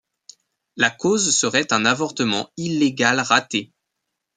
La cause serait un avortement illégal raté.